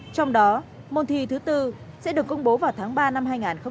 trong đó môn thi thứ bốn sẽ được công bố vào tháng ba năm hai nghìn một mươi chín